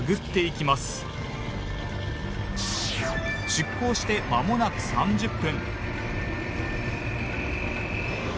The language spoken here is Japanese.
出港してまもなく３０分。